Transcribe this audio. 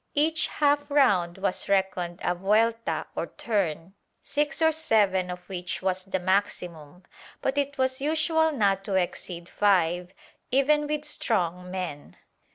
Each half round was reckoned a vuelta or turn, six or seven of which was the maximum, but it was usual not to exceed five, even with strong men.